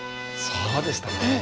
そうでしたね。